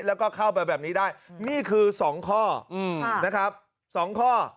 แล้วก็เข้าไปแบบนี้ได้นี่คือ๒ข้อนะครับ๒ข้อ